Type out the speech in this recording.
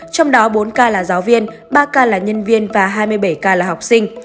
trong đó bốn ca là giáo viên ba ca là nhân viên và hai mươi bảy ca là học sinh